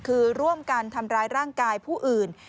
คือร่วมกันทำร้ายร่างกายผู้อื่น